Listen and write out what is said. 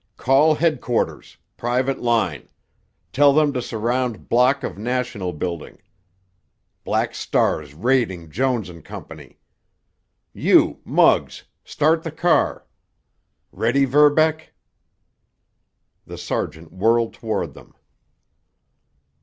"Call headquarters, private line! Tell them to surround block of National Building. Black Star's raiding Jones & Co.! You, Muggs! Start the car! Ready, Verbeck?" The sergeant whirled toward them.